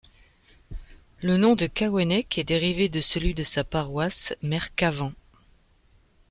Le nom de Caouënnec est dérivé de celui de sa paroisse mère Cavan.